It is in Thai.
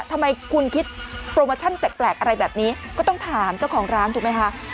ทำไมคุณคิดโปรโมชั่นแปลกอะไรแบบนี้ก็ต้องถามเจ้าของร้านถูกไหมคะ